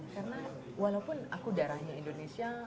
karena walaupun aku darahnya indonesia